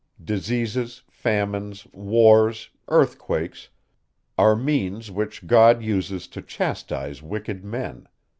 Diseases, famines, wars, earthquakes, are means which God uses to chastise wicked men.